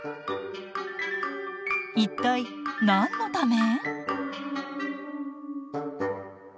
一体何のため？